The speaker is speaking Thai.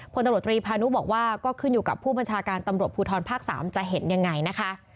พลตำรวจตรีพานุบอกว่าก็ขึ้นอยู่กับผู้บัญชาการตำรวจภูทรภาค๓จะเห็นยังไงนะคะ